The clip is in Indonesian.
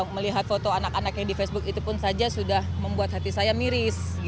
melihat foto anak anaknya di facebook itu pun saja sudah membuat hati saya miris